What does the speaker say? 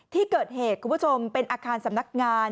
ที่เกิดเหตุคุณผู้ชมเป็นอาคารสำนักงาน